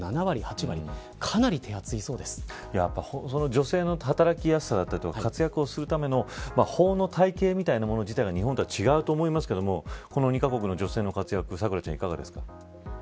女性の働きやすさだったりとか活躍するための法の体系みたいなもの自体が日本とは違うと思いますがこの２カ国の女性の活躍はいかがですか。